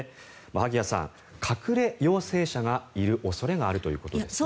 萩谷さん、隠れ陽性者がいる恐れがあるということです。